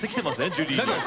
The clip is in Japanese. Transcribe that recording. ジュリーに。